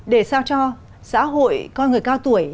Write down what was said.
để sao cho xã hội coi người cao tuổi